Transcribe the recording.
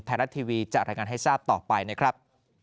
ไทยรัฐทีวีจะรายงานให้ทราบต่อไปนะครับ